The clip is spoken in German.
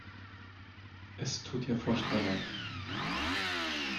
Es tut ihr furchtbar leid.